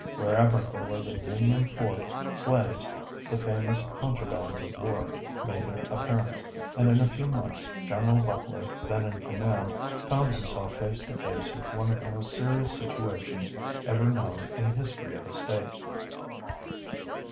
Wherever there was a Union fort, slaves, the famous "contrabands of war," made their appearance, and in a few months General Butler, then in command, found himself face to face with one of the most serious situations ever known in the history of a State.